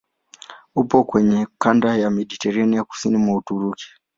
Upo kwenye kanda ya Mediteranea kusini mwa Uturuki.